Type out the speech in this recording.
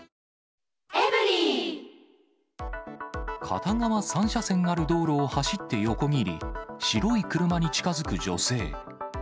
片側３車線がある道路を走って横切り、白い車に近づく女性。